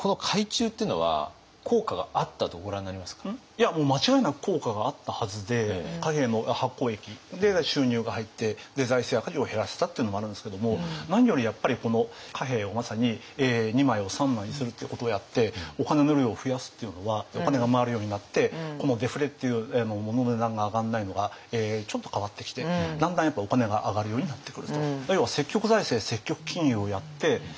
いやもう間違いなく効果があったはずで貨幣の発行益で収入が入って財政赤字を減らしたっていうのもあるんですけども何よりやっぱりこの貨幣をまさに２枚を３枚にするっていうことをやってお金の量を増やすっていうのはお金が回るようになってこのデフレっていう物の値段が上がんないのがちょっと変わってきてだんだんお金が上がるようになってくると。